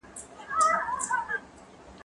ته ولي کالي مينځې.